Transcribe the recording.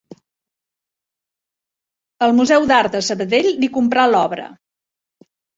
El Museu d'Art de Sabadell li comprà l'obra.